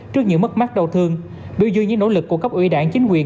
trước những mất mắt đau thương biểu dư những nỗ lực của cấp ủy đảng chính quyền